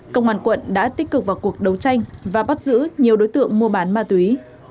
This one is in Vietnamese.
công an quận đã tích cực vào cuộc đấu tranh và bắt giữ nhiều đối tượng mua bán ma túy